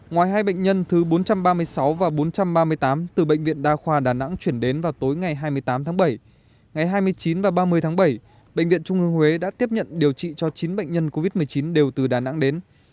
ngoài hai bệnh nhân thứ bốn trăm ba mươi sáu và bốn trăm ba mươi tám từ bệnh viện đa khoa đà nẵng chuyển đến vào tối ngày hai mươi tám tháng bảy ngày hai mươi chín và ba mươi tháng bảy bệnh viện trung ương huế đã tiếp nhận điều trị cho chín bệnh nhân covid một mươi chín đều từ đà nẵng đến